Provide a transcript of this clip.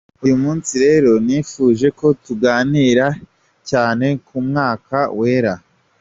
Uyu munsi rero nifuje ko tuganira cyane k'Umwuka Wera.